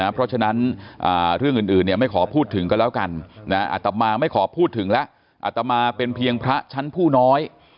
เพราะฉะนั้นเรื่องอื่นไม่ขอพูดถึงก็แล้วกันอัตมาไม่ขอพูดถึงแล้วอัตมาเป็นเพียงพระชั้นผู้น้อย